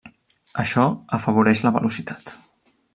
Això afavoreix la velocitat.